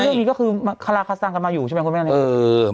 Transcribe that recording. เรื่องนี้ก็คือคาราคาซังกันมาอยู่ใช่ไหมคุณแม่เนี่ย